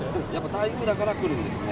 台風だから来るんですね。